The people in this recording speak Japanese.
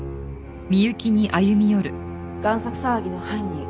贋作騒ぎの犯人